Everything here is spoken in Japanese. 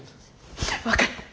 分かった。